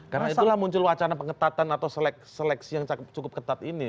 karena itulah muncul wacana pengetatan atau seleksi yang cukup ketat ini